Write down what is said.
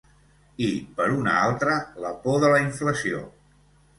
I, per una altra, la por de la inflació.